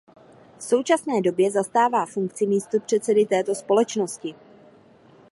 V současné době zastává funkci místopředsedy této společnosti.